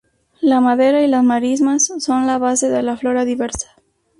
La madera y las marismas son la base de la flora diversa.